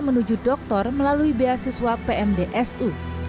menuju doktor melalui beasiswa pmdsu